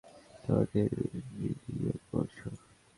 তোমাকে ভিডিয়ো করছি!